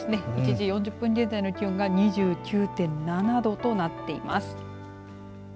１時４０分現在の気温が２９．７度となっています。